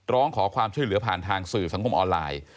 ร้องขอความช่วยเหลือผ่านทางสื่อสังคมออนไลน์